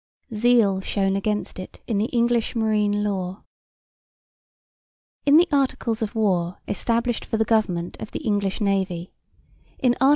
Zeal shewn against it in the English Marine Law In the Articles of War established for the government of the English Navy, in Art.